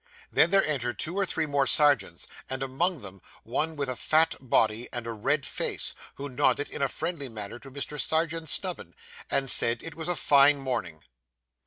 Then there entered two or three more Serjeants; and among them, one with a fat body and a red face, who nodded in a friendly manner to Mr. Serjeant Snubbin, and said it was a fine morning.